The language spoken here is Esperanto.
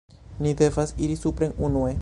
Ni devas iri supren unue